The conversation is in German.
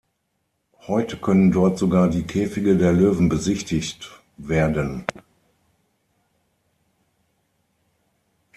Heute können dort sogar die Käfige der Löwen besichtigt werden.